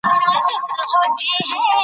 د کتاب مطالعه مخکې له خرید د پوهې سبب ګرځي.